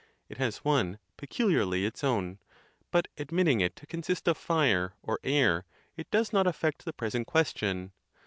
It has one peculiarly its own; but admitting it to consist of fire, or air, it does not affect the present question.